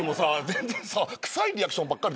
全然さ臭いリアクションばっかりでさ。